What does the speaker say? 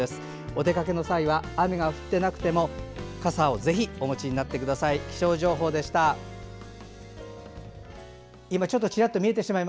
お出かけの際は雨が降っていなくても傘をぜひお持ちになってください。